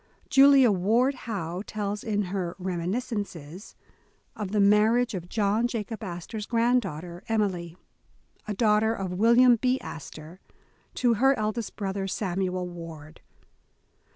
Julia Ward Howe tells in her "Reminiscences", of the marriage of John Jacob Astor 's granddaughter, Em ily, a daughter of William B. Astor, to her eldest broth er, Samuel Ward.